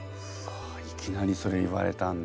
いきなりそれ言われたんだ。